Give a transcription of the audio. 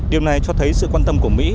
điều này cho thấy sự quan tâm của mỹ